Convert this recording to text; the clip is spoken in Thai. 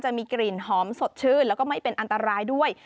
จะมีกลิ่นหอมสดชื่นแล้วก็ไม่เป็นอันตรายด้วย